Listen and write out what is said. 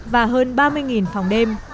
và hơn ba mươi phòng đêm